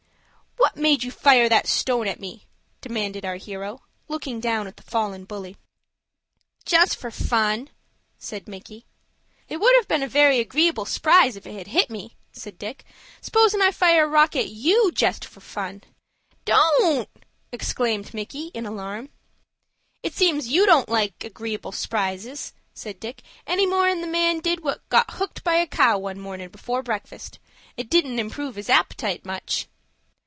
"What made you fire that stone at me?" demanded our hero, looking down at the fallen bully. "Just for fun," said Micky. "It would have been a very agreeable s'prise if it had hit me," said Dick. "S'posin' I fire a rock at you jest for fun." "Don't!" exclaimed Micky, in alarm. "It seems you don't like agreeable s'prises," said Dick, "any more'n the man did what got hooked by a cow one mornin', before breakfast. It didn't improve his appetite much."